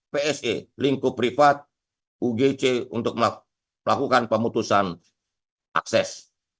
pse untuk melakukan pemutusan akses